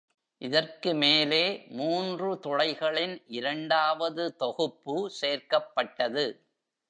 இதற்கு மேலே மூன்று துளைகளின் இரண்டாவது தொகுப்பு சேர்க்கப்பட்டது.